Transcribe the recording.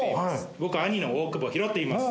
僕兄の大久保裕といいます。